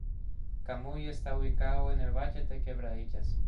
Camuy está ubicado en el Valle de Quebradillas.